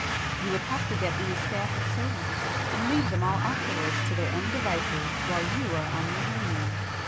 You would have to get in a staff of servants, and leave them all afterwards to their own devices while you are on your honeymoon.